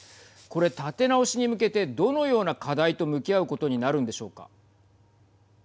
これ、立て直しに向けてどのような課題と向き合うことになるんでしょうか。